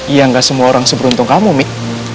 iya nggak semua orang seberuntung kamu mik